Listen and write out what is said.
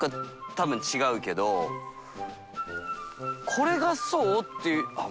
これがそうってあっ